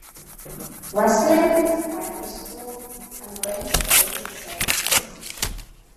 West Lynn has a primary school and a range of basic services.